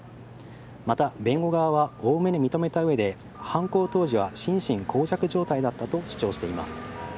また弁護側はおおむね認めた上で犯行当時は心神耗弱状態だったと主張しています。